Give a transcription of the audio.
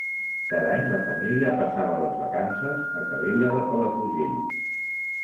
Cada any la família passava les vacances a Calella de Palafrugell.